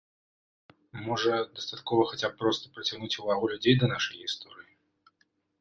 Можа, дастаткова хаця б проста прыцягнуць увагу людзей да нашай гісторыі?